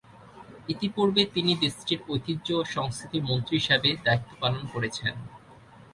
ইতিপূর্বে তিনি দেশটির ঐতিহ্য ও সংস্কৃতি মন্ত্রী হিসেবে দায়িত্বপালন করেছেন।